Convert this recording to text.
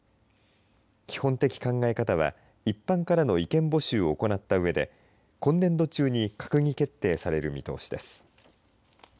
基本的考え方は一般からの意見募集を行ったうえで今年度中に閣議決定される見通しです。